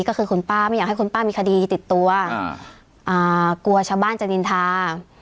ก็คือคุณป้าไม่อยากให้คุณป้ามีคดีติดตัวอ่ากลัวชาวบ้านจะนินทา